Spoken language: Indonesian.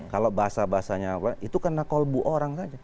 kalau bahasa bahasanya apa itu karena kalbu orang saja